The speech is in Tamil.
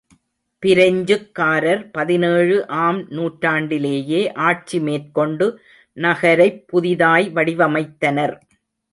பிரெஞ்சுக்காரர் பதினேழு ஆம் நூற்றாண்டிலேயே ஆட்சி மேற்கொண்டு நகரைப் புதிதாய் வடிவமைத்தனர்.